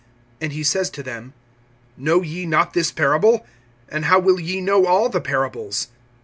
(13)And he says to them: Know ye not this parable? And how will ye know all the parables?